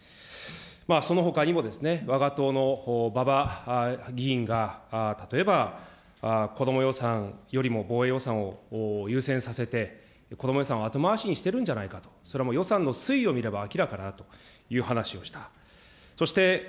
そのほかにも、わが党の馬場議員が例えば子ども予算よりも防衛予算を優先させて、子ども予算を後回しにしてるんじゃないかと、それも予算の推移を見れば明らかだという話をした。